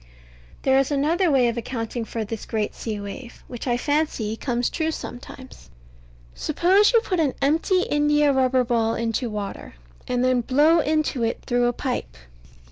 But there is another way of accounting for this great sea wave, which I fancy comes true sometimes. Suppose you put an empty india rubber ball into water, and then blow into it through a pipe.